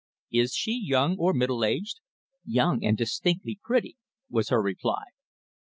"Is she young or middle aged?" "Young, and distinctly pretty," was her reply.